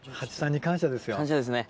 感謝ですね。